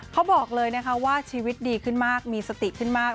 เขาบอกเลยนะคะว่าชีวิตดีขึ้นมากมีสติขึ้นมาก